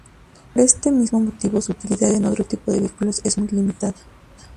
Por este mismo motivo, su utilidad en otro tipo de vehículos es muy limitada.